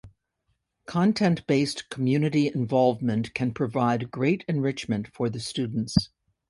Content-based community involvement can provide great enrichment for the students.